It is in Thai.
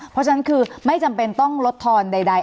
เพราะฉะนั้นคือไม่จำเป็นต้องลดทอนใด